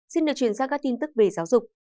xin được truyền ra các tin tức về giáo dục